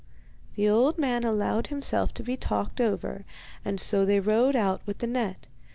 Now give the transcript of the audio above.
The old man allowed himself to be talked over, and so they rowed out with the net.